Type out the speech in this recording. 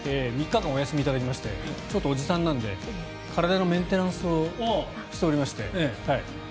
３日間お休みを頂きましてちょっとおじさんなんで体のメンテナンスをしておりまして。